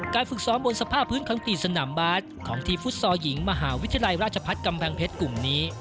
ฝึกซ้อมบนสภาพพื้นคอมกรีตสนามบาสของทีมฟุตซอลหญิงมหาวิทยาลัยราชพัฒน์กำแพงเพชรกลุ่มนี้